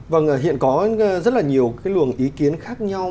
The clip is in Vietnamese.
vâng hiện có rất là nhiều cái luồng ý kiến khác nhau